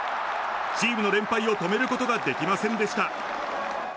チームの連敗を止めることができませんでした。